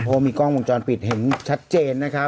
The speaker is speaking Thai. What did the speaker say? พอมีกล้องวงจรปิดเห็นชัดเจนนะครับ